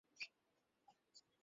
কিন্তু উনি তো সবসময় ওখানেই থাকেন।